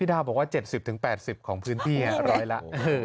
ดาวบอกว่า๗๐๘๐ของพื้นที่ร้อยละ